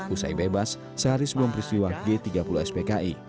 usai bebas sehari sebelum peristiwa g tiga puluh spki